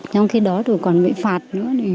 trong khi đó còn bị phạt nữa